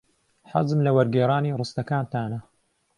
حەزم لە وەرگێڕانی ڕستەکانتانە.